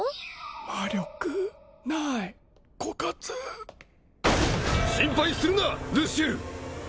魔力ない枯渇心配するなルシエル！